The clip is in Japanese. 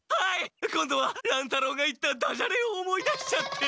今度は乱太郎が言ったダジャレを思い出しちゃって。